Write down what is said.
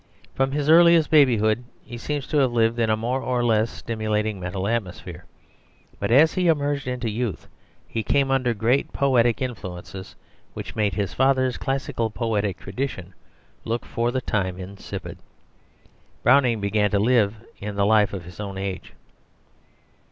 From his earliest babyhood he seems to have lived in a more or less stimulating mental atmosphere; but as he emerged into youth he came under great poetic influences, which made his father's classical poetic tradition look for the time insipid. Browning began to live in the life of his own age.